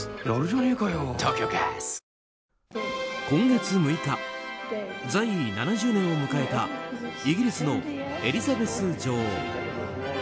今月６日在位７０年を迎えたイギリスのエリザベス女王。